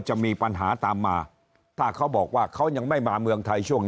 จะมีปัญหาตามมาถ้าเขาบอกว่าเขายังไม่มาเมืองไทยช่วง